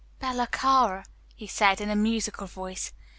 "Bella cara," he said, in a musical voice.